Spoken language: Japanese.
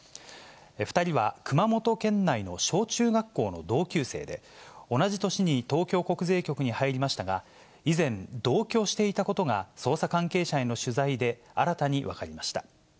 ２人は熊本県内の小中学校の同級生で、同じ年に東京国税局に入りましたが、以前、同居していたことが、捜査関係者への取材で、新たに分かりました。